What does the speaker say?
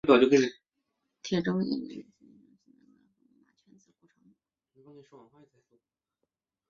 铁州辖境相当今吉林省敦化市西南大蒲柴河马圈子古城。